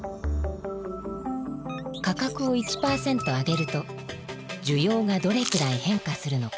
価格を１％上げると需要がどれくらい変化するのか。